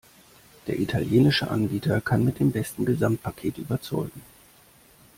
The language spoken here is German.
Der italienische Anbieter kann mit dem besten Gesamtpaket überzeugen.